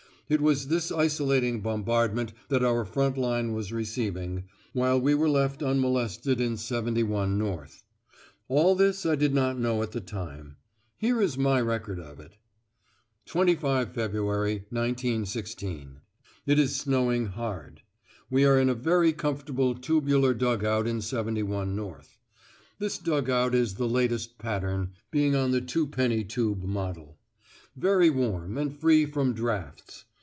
It was this isolating bombardment that our front line was receiving, while we were left unmolested in 71 North. All this I did not know at the time. Here is my record of it. "25 Feb., 1916. It is snowing hard. We are in a very comfortable tubular dug out in 71 North. This dug out is the latest pattern, being on the twopenny tube model; very warm, and free from draughts.